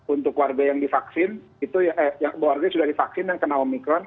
untuk warga yang divaksin warga yang sudah divaksin dan kena omicron